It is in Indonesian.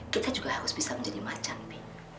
kita juga harus bisa menjadi macan nih